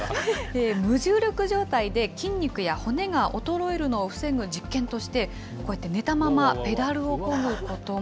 無重力状態で筋肉や骨が衰えるのを防ぐ実験として、こうやって寝たままペダルをこぐことも。